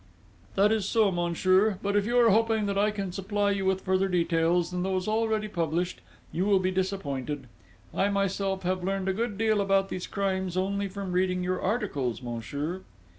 "That is so, monsieur; but if you are hoping that I can supply you with further details than those already published, you will be disappointed. I myself have learned a good deal about these crimes only from reading your articles, monsieur."